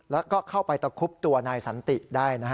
แล้วก็เข้าไปตะคุบตัวนายสันติได้นะฮะ